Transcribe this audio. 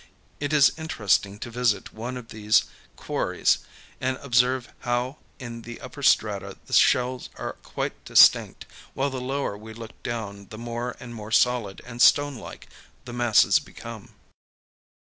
It is interesting to visit one of these quar[Pg 116]ries, and observe how in the upper strata the shells are quite distinct, while the lower we look down the more and more solid and stone like the masses become.